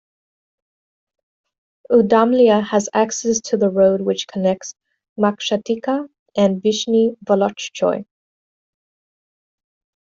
Udomlya has access to the road which connects Maksatikha and Vyshny Volochyok.